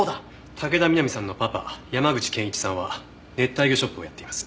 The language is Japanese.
武田美波さんのパパ山口健一さんは熱帯魚ショップをやっています。